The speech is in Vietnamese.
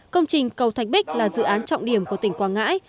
công trình cầu thạch bích là dự án trọng điểm của tỉnh quảng ngãi